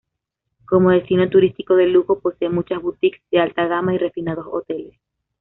Como destino turístico de lujo, posee muchas boutiques de alta gama y refinados hoteles.